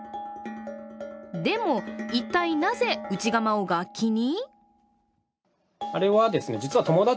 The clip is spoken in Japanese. でも、一体なぜ、内釜を楽器に？